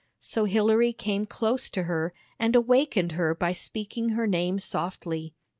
So Hilary came close to her, and awakened her by speaking her name softly.